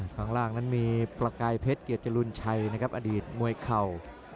ข้างล่างนั้นมีประกายเพชรเกียรติจรุลชัยนะครับอดีตมวยเข่า